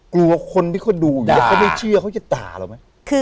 กลัวคนที่เขาดูอยู่แล้วเขาไม่เชื่อเขาจะด่าเราไหม